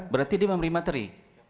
berarti dia memberi materi